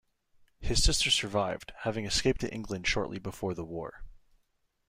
His sister survived, having escaped to England shortly before the war.